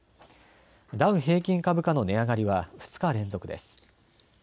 ダウ平均株価の値上がりは２日連続です。